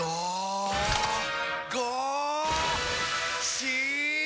し！